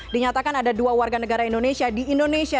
dinyatakan ada dua warga negara indonesia di indonesia